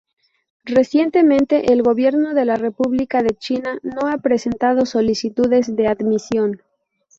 Recientemente, el gobierno de la República de China no ha presentado solicitudes de admisión.